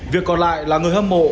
việc còn lại là người hâm mộ